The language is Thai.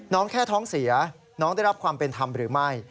แค่ท้องเสียน้องได้รับความเป็นธรรมหรือไม่